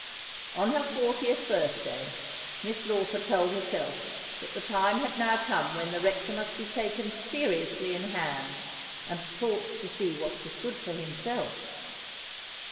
On her fortieth birthday, Miss Lawford told herself that the time had now come when the Rector must be taken seriously in hand, and taught to see what was good for himself.